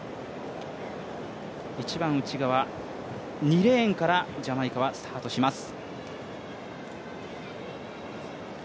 １番内側、２レーンからジャマイカはスタートします。